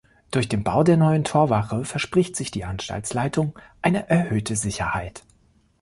Durch den Bau der neuen Torwache verspricht sich die Anstaltsleitung eine erhöhte Sicherheit.